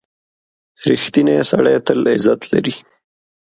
• رښتینی سړی تل عزت لري.